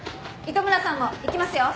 糸村さんも行きますよ。